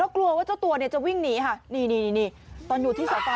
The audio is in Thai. แล้วกลัวว่าเจ้าตัวจะวิ่งหนีค่ะนี่ตอนหยุดที่สะไฟ